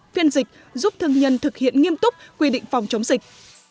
phiên dịch giúp thương nhân thực hiện nghiêm túc quy định phòng chống dịch